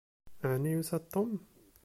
Ɛni yusa-d Tom?